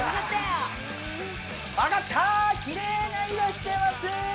あがった、キレイな色してます。